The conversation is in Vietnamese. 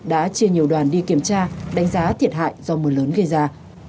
đã chia nhiều đoàn đi kiểm tra đánh giá thiệt hại do mưa lớn gây ra